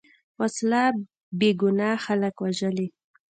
وسله بېګناه خلک وژلي